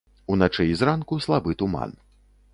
Уначы і зранку слабы туман.